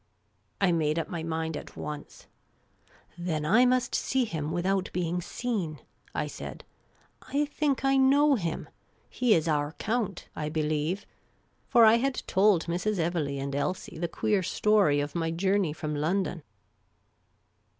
I made up my mind at once. " Then I must see him, without being seen," I said. " I think I know him. He is our Count, I believe." For I had told Mrs. Evelegh and Elsie the queer story of my journey from London.